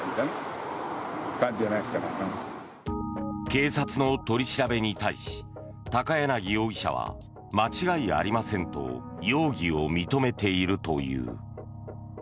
警察の取り調べに対し高柳容疑者は間違いありませんと容疑を認めているという。